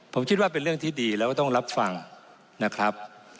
ผมคิดว่าเป็นเรื่องที่ดีแล้วก็ต้องรับฟังนะครับ